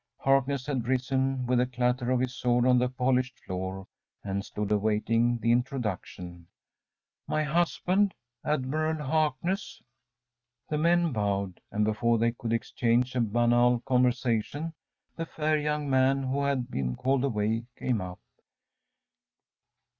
Harkness had risen with a clatter of his sword on the polished floor, and stood awaiting the introduction. “My husband Admiral Harkness.‚ÄĚ The men bowed, and, before they could exchange a banal observation, the fair young man who had been called away came up.